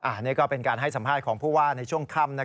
อันนี้ก็เป็นการให้สัมภาษณ์ของผู้ว่าในช่วงค่ำ